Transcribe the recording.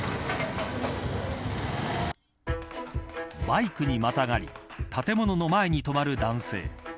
バイクにまたがり建物の前に止まる男性。